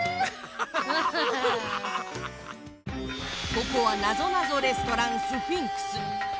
ここはなぞなぞレストランスフィンクス。